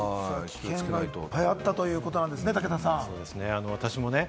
危険がいっぱいあったということですね、武田さん。